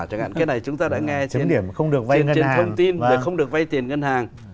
chẳng hạn cái này chúng ta đã nghe trên thông tin là không được vay tiền ngân hàng